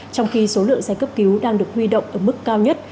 trong khi số lượng xe cấp cứu đang được huy động ở mức cao nhất